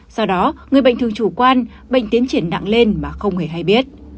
do đó người bệnh thường chủ quan bệnh tiến triển nặng lên mà không hề hay biết